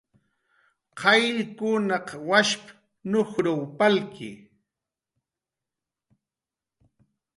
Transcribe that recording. "qayllkunaq washp"" nujruw palki"